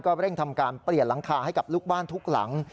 เร่งทำการเปลี่ยนหลังคาให้กับลูกบ้านทุกหลัง